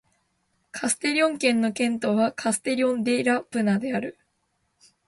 カステリョン県の県都はカステリョン・デ・ラ・プラナである